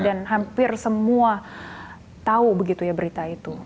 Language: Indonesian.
dan hampir semua tahu begitu ya berita itu